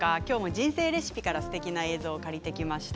「人生レシピ」からすてきな映像をお借りしてきました。